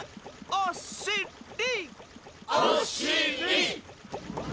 おしり！